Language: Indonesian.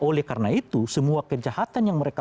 oleh karena itu semua kejahatan yang mereka